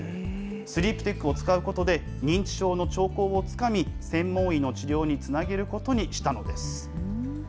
スリープテックを使うことで、認知症の兆候をつかみ、専門医の治療につなげることにしたのです。